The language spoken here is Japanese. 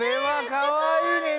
かわいいねえ！